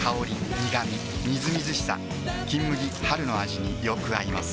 みずみずしさ「金麦」春の味によく合います